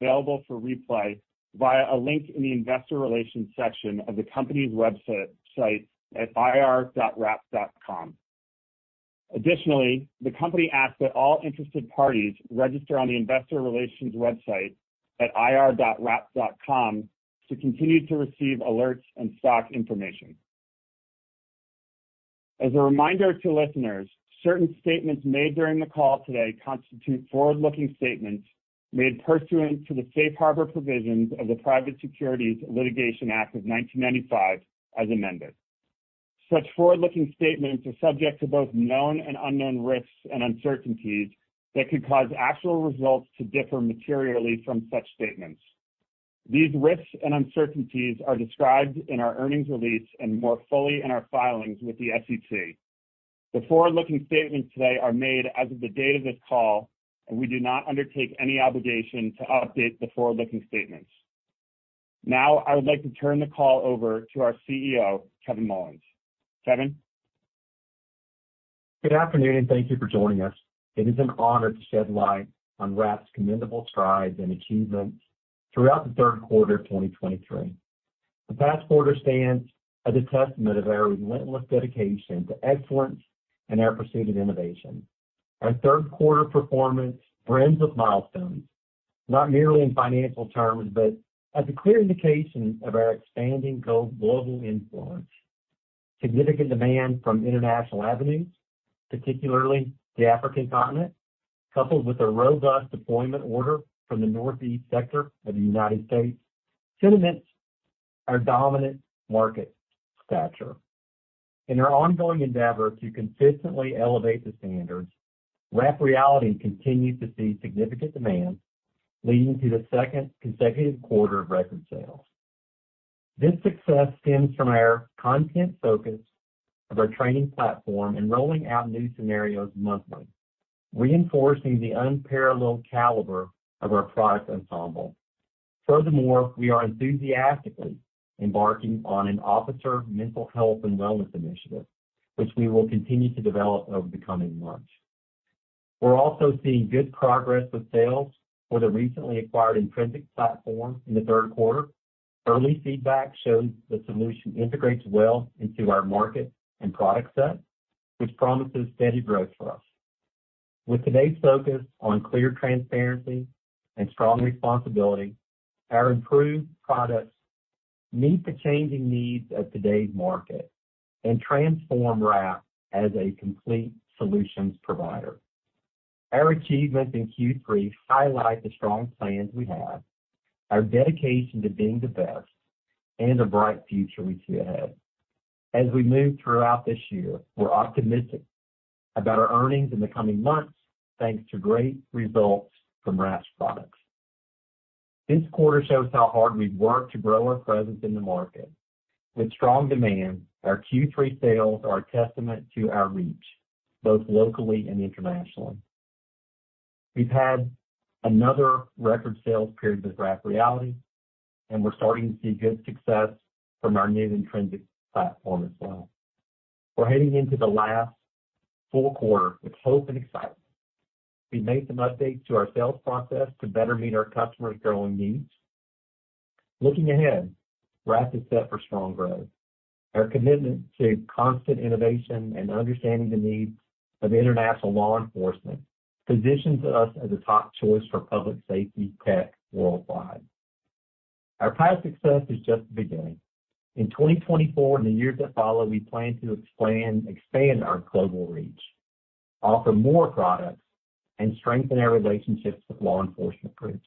Available for replay via a link in the investor relations section of the company's website at ir.wrap.com. Additionally, the company asks that all interested parties register on the investor relations website at ir.wrap.com to continue to receive alerts and stock information. As a reminder to listeners, certain statements made during the call today constitute forward-looking statements made pursuant to the Safe Harbor Provisions of the Private Securities Litigation Act of 1995, as amended. Such forward-looking statements are subject to both known and unknown risks and uncertainties that could cause actual results to differ materially from such statements. These risks and uncertainties are described in our earnings release and more fully in our filings with the SEC. The forward-looking statements today are made as of the date of this call, and we do not undertake any obligation to update the forward-looking statements. Now, I would like to turn the call over to our CEO, Kevin Mullins. Kevin? Good afternoon, and thank you for joining us. It is an honor to shed light on Wrap's commendable strides and achievements throughout the third quarter of 2023. The past quarter stands as a testament of our relentless dedication to excellence and our pursuit of innovation. Our third quarter performance brings with milestones, not merely in financial terms, but as a clear indication of our expanding global influence. Significant demand from international avenues, particularly the African continent, coupled with a robust deployment order from the Northeast sector of the United States, cements our dominant market stature. In our ongoing endeavor to consistently elevate the standards, Wrap Reality continues to see significant demand, leading to the second consecutive quarter of record sales. This success stems from our content focus of our training platform and rolling out new scenarios monthly, reinforcing the unparalleled caliber of our product ensemble. Furthermore, we are enthusiastically embarking on an officer mental health and wellness initiative, which we will continue to develop over the coming months. We're also seeing good progress with sales for the recently acquired Intrensic platform in the third quarter. Early feedback shows the solution integrates well into our market and product set, which promises steady growth for us. With today's focus on clear transparency and strong responsibility, our improved products meet the changing needs of today's market and transform Wrap as a complete solutions provider. Our achievements in Q3 highlight the strong plans we have, our dedication to being the best, and a bright future we see ahead. As we move throughout this year, we're optimistic about our earnings in the coming months, thanks to great results from Wrap's products. This quarter shows how hard we've worked to grow our presence in the market. With strong demand, our Q3 sales are a testament to our reach, both locally and internationally. We've had another record sales period with Wrap Reality, and we're starting to see good success from our new Intrensic platform as well. We're heading into the last full quarter with hope and excitement. We made some updates to our sales process to better meet our customers' growing needs. Looking ahead, Wrap is set for strong growth. Our commitment to constant innovation and understanding the needs of international law enforcement positions us as a top choice for public safety tech worldwide. Our past success is just the beginning. In 2024 and the years that follow, we plan to expand, expand our global reach, offer more products, and strengthen our relationships with law enforcement groups.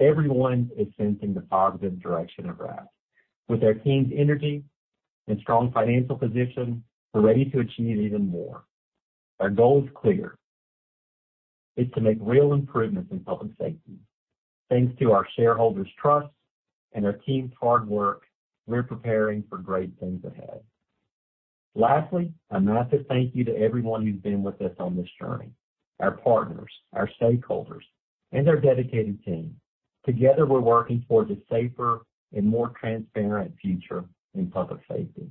Everyone is sensing the positive direction of Wrap. With our team's energy and strong financial position, we're ready to achieve even more. Our goal is clear: It's to make real improvements in public safety. Thanks to our shareholders' trust and our team's hard work, we're preparing for great things ahead. Lastly, a massive thank you to everyone who's been with us on this journey, our partners, our stakeholders, and our dedicated team. Together, we're working towards a safer and more transparent future in public safety.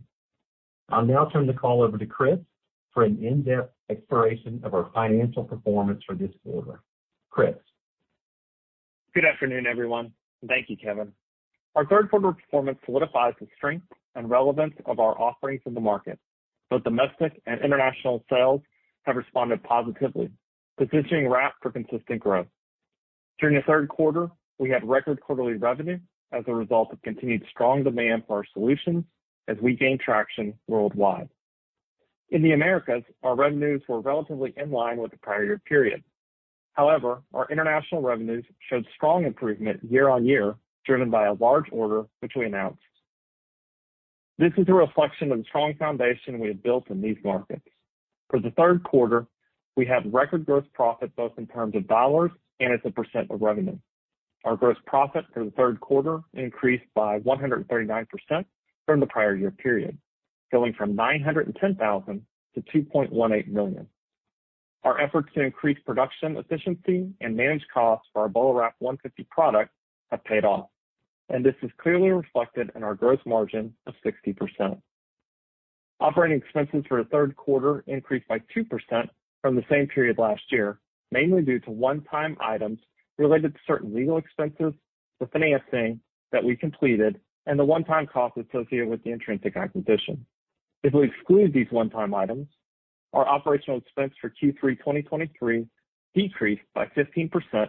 I'll now turn the call over to Chris for an in-depth exploration of our financial performance for this quarter. Chris? Good afternoon, everyone. Thank you, Kevin. Our third quarter performance solidifies the strength and relevance of our offerings in the market. Both domestic and international sales have responded positively, positioning Wrap for consistent growth. During the third quarter, we had record quarterly revenue as a result of continued strong demand for our solutions as we gain traction worldwide. In the Americas, our revenues were relatively in line with the prior year period. However, our international revenues showed strong improvement year-on-year, driven by a large order, which we announced. This is a reflection of the strong foundation we have built in these markets. For the third quarter, we had record gross profit, both in terms of dollars and as a percent of revenue. Our gross profit for the third quarter increased by 139% from the prior year period, going from $910,000 to $2.18 million. Our efforts to increase production efficiency and manage costs for our BolaWrap 150 product have paid off, and this is clearly reflected in our gross margin of 60%. Operating expenses for the third quarter increased by 2% from the same period last year, mainly due to one-time items related to certain legal expenses, the financing that we completed, and the one-time costs associated with theIntrensic acquisition. If we exclude these one-time items, our operational expense for Q3 2023 decreased by 15%,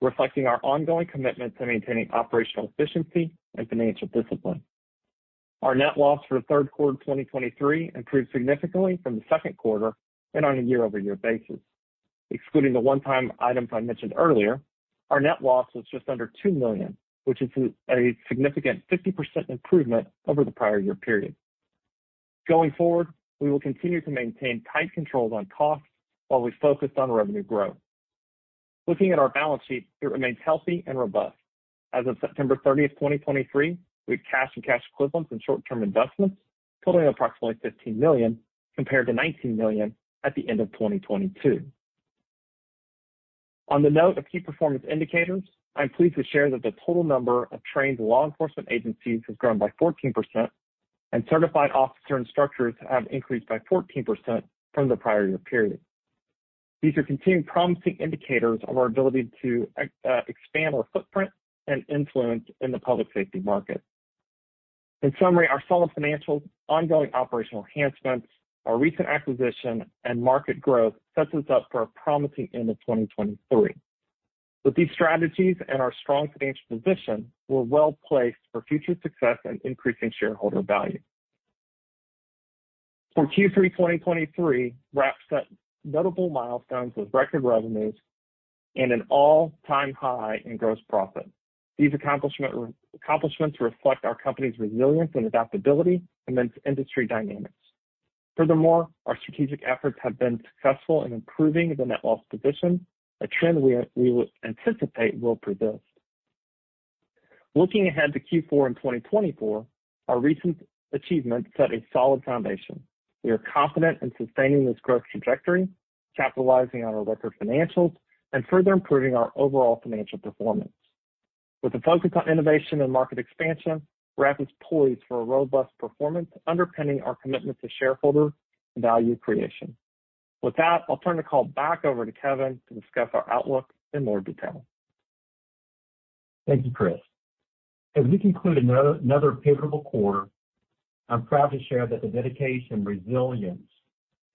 reflecting our ongoing commitment to maintaining operational efficiency and financial discipline. Our net loss for the third quarter of 2023 improved significantly from the second quarter and on a year-over-year basis. Excluding the one-time items I mentioned earlier, our net loss was just under $2 million, which is a significant 50% improvement over the prior year period. Going forward, we will continue to maintain tight controls on costs while we focus on revenue growth. Looking at our balance sheet, it remains healthy and robust. As of September 30th 2023, we had cash and cash equivalents and short-term investments totaling approximately $15 million, compared to $19 million at the end of 2022. On the note of key performance indicators, I'm pleased to share that the total number of trained law enforcement agencies has grown by 14%, and certified officers and instructors have increased by 14% from the prior year period. These are continued promising indicators of our ability to expand our footprint and influence in the public safety market. In summary, our solid financials, ongoing operational enhancements, our recent acquisition, and market growth sets us up for a promising end of 2023. With these strategies and our strong financial position, we're well-placed for future success and increasing shareholder value. For Q3 2023, Wrap set notable milestones with record revenues and an all-time high in gross profit. These accomplishments reflect our company's resilience and adaptability amidst industry dynamics. Furthermore, our strategic efforts have been successful in improving the net loss position, a trend we anticipate will persist. Looking ahead to Q4 in 2024, our recent achievements set a solid foundation. We are confident in sustaining this growth trajectory, capitalizing on our record financials, and further improving our overall financial performance. With a focus on innovation and market expansion, Wrap is poised for a robust performance, underpinning our commitment to shareholder value creation. With that, I'll turn the call back over to Kevin to discuss our outlook in more detail. Thank you, Chris. As we conclude another favorable quarter, I'm proud to share that the dedication, resilience,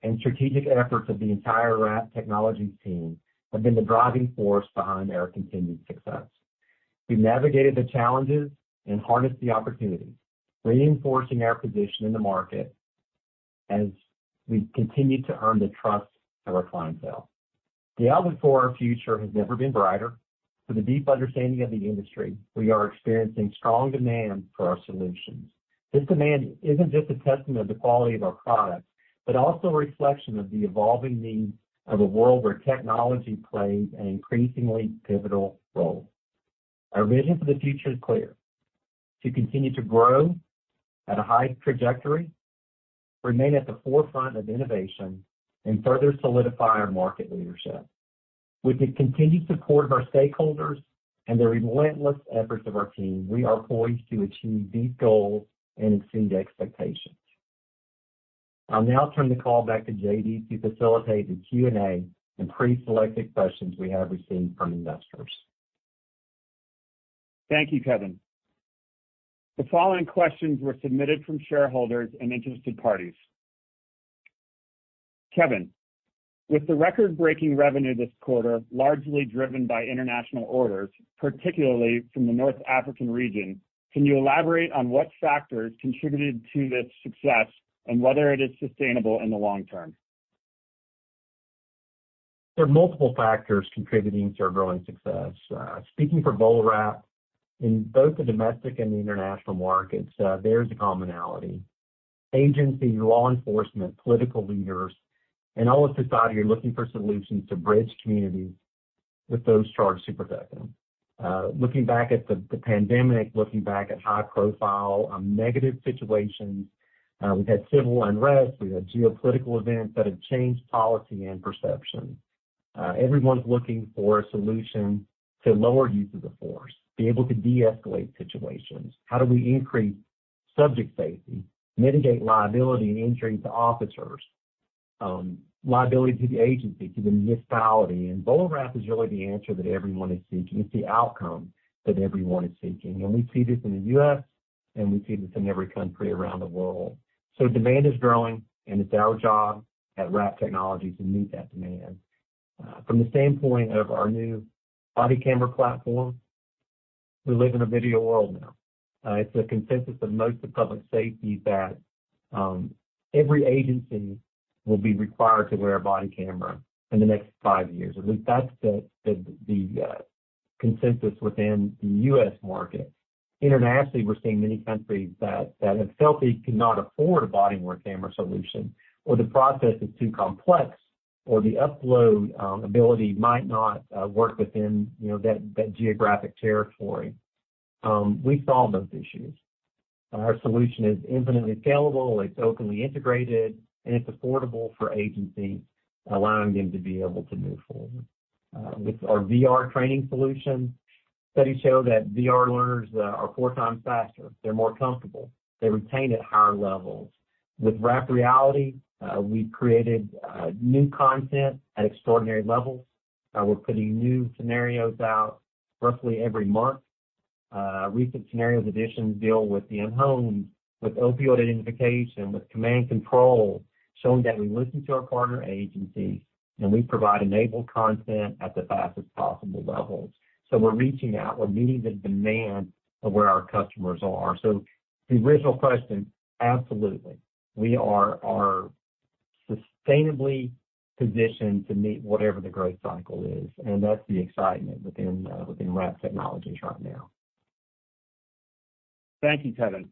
and strategic efforts of the entire Wrap Technologies team have been the driving force behind our continued success. We've navigated the challenges and harnessed the opportunities, reinforcing our position in the market as we continue to earn the trust of our clientele. The outlook for our future has never been brighter. With a deep understanding of the industry, we are experiencing strong demand for our solutions. This demand isn't just a testament to the quality of our products, but also a reflection of the evolving needs of a world where technology plays an increasingly pivotal role. Our vision for the future is clear: to continue to grow at a high trajectory, remain at the forefront of innovation, and further solidify our market leadership. With the continued support of our stakeholders and the relentless efforts of our team, we are poised to achieve these goals and exceed expectations. I'll now turn the call back to JD to facilitate the Q&A and pre-selected questions we have received from investors. Thank you, Kevin. The following questions were submitted from shareholders and interested parties. Kevin, with the record-breaking revenue this quarter largely driven by international orders, particularly from the North African region, can you elaborate on what factors contributed to this success and whether it is sustainable in the long term? There are multiple factors contributing to our growing success. Speaking for BolaWrap, in both the domestic and the international markets, there's a commonality. Agencies, law enforcement, political leaders, and all of society are looking for solutions to bridge communities with those charged to protect them. Looking back at the pandemic, looking back at high-profile negative situations, we've had civil unrest, we've had geopolitical events that have changed policy and perception. Everyone's looking for a solution to lower use of the force, be able to de-escalate situations. How do we increase subject safety, mitigate liability and injury to officers, liability to the agency, to the municipality? And BolaWrap is really the answer that everyone is seeking. It's the outcome that everyone is seeking, and we see this in the U.S., and we see this in every country around the world. So demand is growing, and it's our job at Wrap Technologies to meet that demand. From the standpoint of our new body camera platform, we live in a video world now. It's the consensus of most of public safety that every agency will be required to wear a body camera in the next five years. At least that's the consensus within the U.S. market. Internationally, we're seeing many countries that have felt they could not afford a body-worn camera solution, or the process is too complex, or the upload ability might not work within, you know, that geographic territory. We solve those issues. Our solution is infinitely scalable, it's openly integrated, and it's affordable for agencies, allowing them to be able to move forward. With our VR training solution, studies show that VR learners are four times faster, they're more comfortable, they retain at higher levels. With Wrap Reality, we've created new content at extraordinary levels. We're putting new scenarios out roughly every month. Recent scenarios additions deal with the in-home, with opioid identification, with command control, showing that we listen to our partner agencies, and we provide enabled content at the fastest possible levels. So we're reaching out. We're meeting the demand of where our customers are. So the original question, absolutely, we are, are sustainably positioned to meet whatever the growth cycle is, and that's the excitement within, within Wrap Technologies right now. Thank you, Kevin.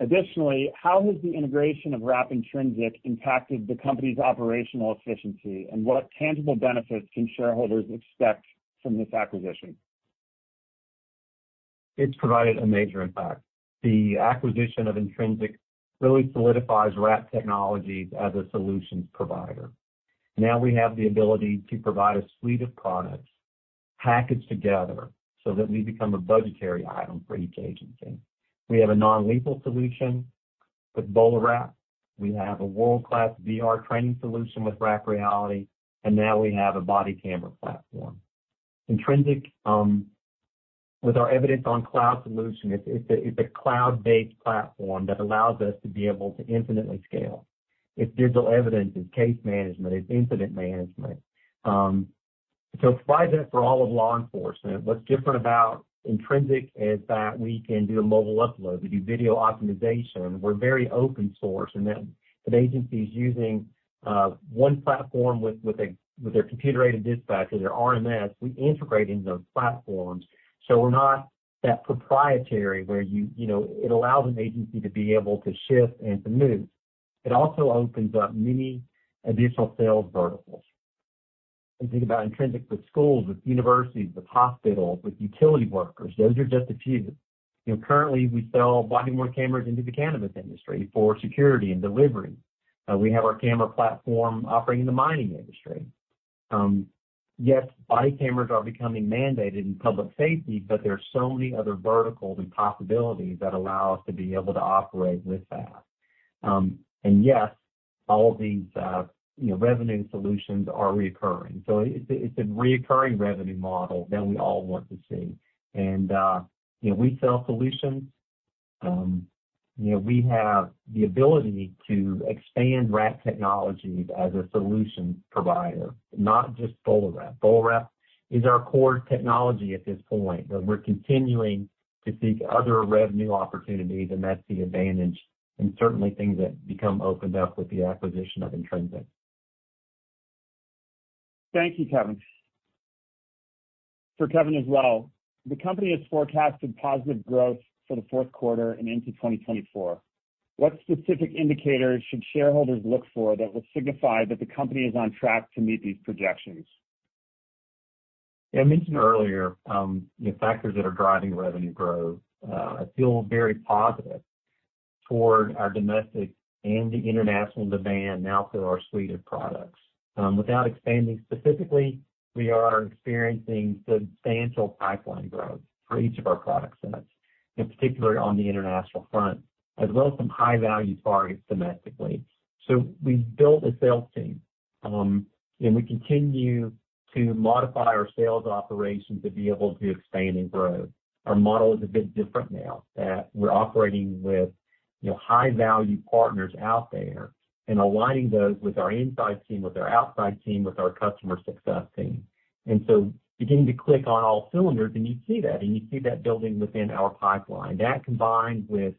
Additionally, how has the integration of Wrap Intrensic impacted the company's operational efficiency, and what tangible benefits can shareholders expect from this acquisition? It's provided a major impact. The acquisition of Intrensic really solidifies Wrap Technologies as a solutions provider. Now we have the ability to provide a suite of products packaged together so that we become a budgetary item for each agency. We have a non-lethal solution with BolaWrap. We have a world-class VR training solution with Wrap Reality, and now we have a body camera platform. Intrensic with our Evidence on Cloud solution, it's a cloud-based platform that allows us to be able to infinitely scale. It's digital evidence, it's case management, it's incident management. So it's widely used for all of law enforcement. What's different about Intrensic is that we can do a mobile upload, we do video optimization. We're very open source, and then if an agency is using one platform with their computer-aided dispatch or their RMS, we integrate into those platforms. So we're not that proprietary where you... You know, it allows an agency to be able to shift and to move. It also opens up many additional sales verticals. And think about Intrensic with schools, with universities, with hospitals, with utility workers. Those are just a few. You know, currently, we sell body-worn cameras into the cannabis industry for security and delivery. We have our camera platform operating in the mining industry. Yes, body cameras are becoming mandated in public safety, but there are so many other verticals and possibilities that allow us to be able to operate with that. And yes, all these, you know, revenue solutions are recurring. So it's a recurring revenue model that we all want to see. And, you know, we sell solutions. You know, we have the ability to expand Wrap Technologies as a solution provider, not just BolaWrap. BolaWrap is our core technology at this point, but we're continuing to seek other revenue opportunities, and that's the advantage and certainly things that become opened up with the acquisition of Intrensic. Thank you, Kevin. For Kevin as well, the company has forecasted positive growth for the fourth quarter and into 2024. What specific indicators should shareholders look for that will signify that the company is on track to meet these projections? I mentioned earlier the factors that are driving revenue growth. I feel very positive toward our domestic and the international demand now for our suite of products. Without expanding specifically, we are experiencing substantial pipeline growth for each of our product sets, and particularly on the international front, as well as some high-value targets domestically. So we've built a sales team, and we continue to modify our sales operations to be able to expand and grow. Our model is a bit different now that we're operating with, you know, high-value partners out there and aligning those with our inside team, with our outside team, with our customer success team. And so beginning to click on all cylinders, and you see that, and you see that building within our pipeline. That combined with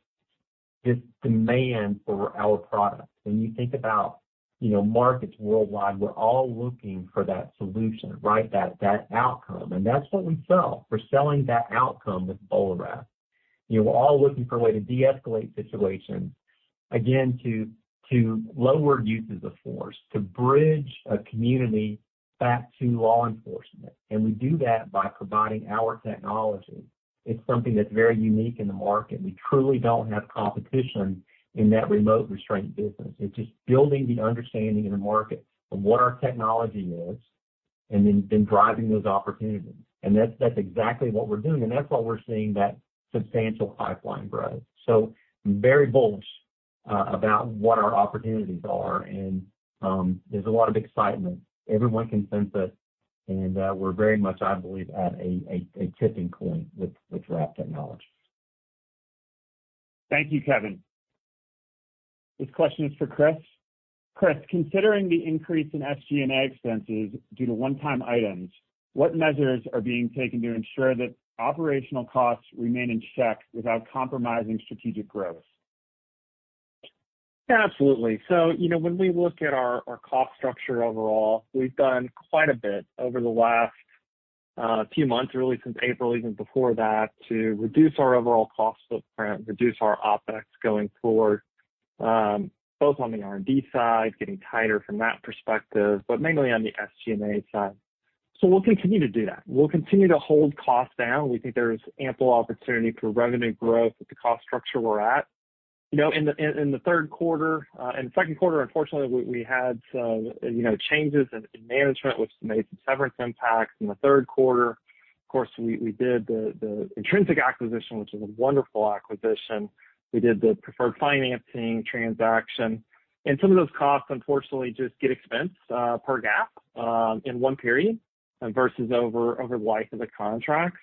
this demand for our products, when you think about, you know, markets worldwide, we're all looking for that solution, right? That, that outcome, and that's what we sell. We're selling that outcome with BolaWrap. You know, we're all looking for a way to de-escalate situations, again, to, to lower uses of force, to bridge a community back to law enforcement, and we do that by providing our technology. It's something that's very unique in the market. We truly don't have competition in that remote restraint business. It's just building the understanding in the market of what our technology is and then, then driving those opportunities. And that's, that's exactly what we're doing, and that's why we're seeing that substantial pipeline growth. So I'm very bullish about what our opportunities are, and there's a lot of excitement. Everyone can sense it, and we're very much, I believe, at a tipping point with Wrap Technologies. Thank you, Kevin. This question is for Chris. Chris, considering the increase in SG&A expenses due to one-time items, what measures are being taken to ensure that operational costs remain in check without compromising strategic growth? Absolutely. So you know, when we look at our cost structure overall, we've done quite a bit over the last few months, really since April, even before that, to reduce our overall cost footprint, reduce our OpEx going forward, both on the R&D side, getting tighter from that perspective, but mainly on the SG&A side. So we'll continue to do that. We'll continue to hold costs down. We think there's ample opportunity for revenue growth with the cost structure we're at. You know, in the third quarter, in the second quarter, unfortunately, we had some, you know, changes in management, which made some severance impacts. In the third quarter, of course, we did the Intrensic acquisition, which is a wonderful acquisition. We did the preferred financing transaction, and some of those costs unfortunately just get expensed, per GAAP, in one period versus over the life of the contracts.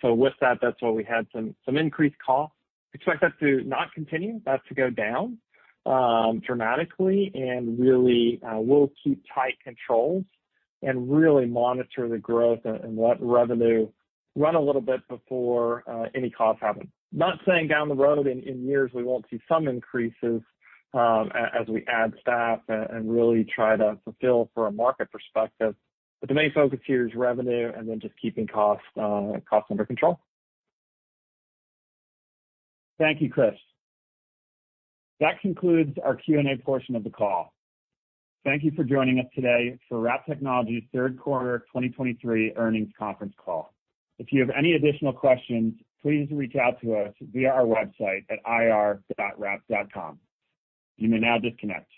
So with that, that's why we had some increased costs. Expect that to not continue, that to go down, dramatically, and really, we'll keep tight controls and really monitor the growth and let revenue run a little bit before any cost happens. Not saying down the road in years, we won't see some increases, as we add staff and really try to fulfill from a market perspective. But the main focus here is revenue and then just keeping costs under control. Thank you, Chris. That concludes our Q&A portion of the call. Thank you for joining us today for WrapTechnologies' third quarter 2023 earnings conference call. If you have any additional questions, please reach out to us via our website at ir.wrap.com. You may now disconnect.